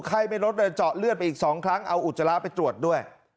ไม่ลดเลยเจาะเลือดไปอีก๒ครั้งเอาอุจจาระไปตรวจด้วย